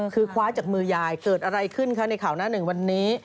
คือคว้าจากมือยายเกิดอะไรขึ้นคะในข่าวหน้าหนึ่งวันนี้